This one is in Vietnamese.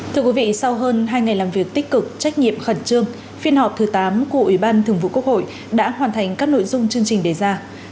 thưa quý vị sau hơn hai ngày làm việc tích cực trách nhiệm khẩn trương phiên họp thứ tám của ủy ban thường vụ quốc hội đã hoàn thành các nội dung chương trình đề ra